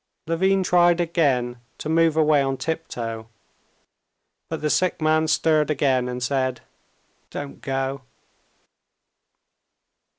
Levin tried again to move away on tiptoe, but the sick man stirred again and said: "Don't go."